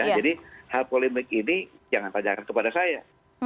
jadi hal polemik ini jangan tajakan kepada saya